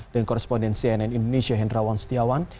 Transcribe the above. dengan koresponden cnn indonesia hendrawan setiawan